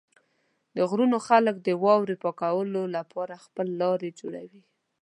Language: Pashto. د غرونو خلک د واورو پاکولو لپاره خپل لارې جوړوي.